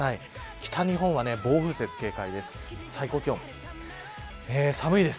北日本は、暴風雪、警戒です。